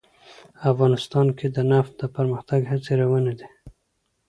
افغانستان کې د نفت د پرمختګ هڅې روانې دي.